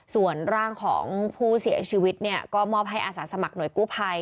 ส่วนร่างของผู้เสียชีวิตเนี่ยก็มอบให้อาสาสมัครหน่วยกู้ภัย